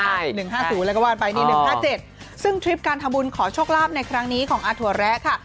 ได้๑๕๐แล้วก็ว่าไป๑๕๗ซึ่งทริปการทำบุญขอโชคลาภในครั้งนี้ของอาโทรแรกค่ะ